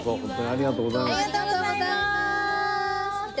ありがとうございます！